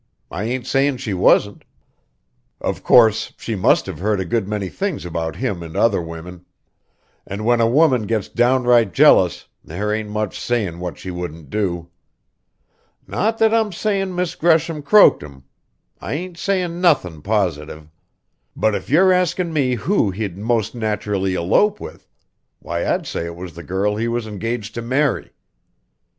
I ain't sayin' she wasn't. Of course, she must have heard a good many things about him and other women; and when a woman gets downright jealous there ain't much sayin' what she wouldn't do. Not that I'm sayin' Miss Gresham croaked him. I ain't sayin' nothin' positive; but if you're askin' me who he'd most naturally elope with, why I'd say it was the girl he was engaged to marry.